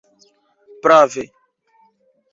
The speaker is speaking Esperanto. prave